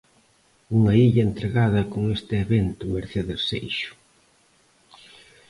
Unha illa entregada con este evento, Mercedes Seixo.